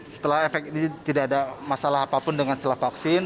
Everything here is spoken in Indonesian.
setelah efek ini tidak ada masalah apapun dengan setelah vaksin